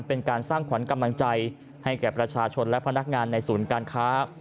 เป็นการสร้างขวัญกำลังใจให้แก่ประชาชนและพนักงานในศูนย์การค้า